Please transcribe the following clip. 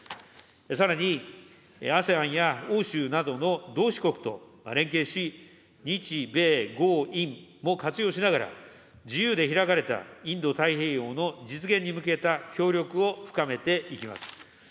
さらに、ＡＳＥＡＮや欧州などの同志国と連携し、日米豪印も活用しながら、自由で開かれたインド太平洋の実現に向けた協力を深めていきます。